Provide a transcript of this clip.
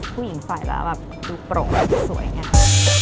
ผู้หญิงใส่แล้วแบบดูโปร่งสวยง่าย